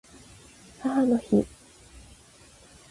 母の日